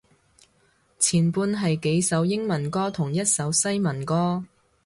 前半係幾首英文歌同一首西文歌